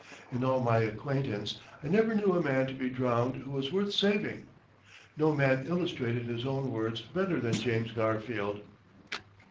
In all my acquaintance, I never knew a man to be drowned who was worth saving." No man illustrated his own words better than James Garfield.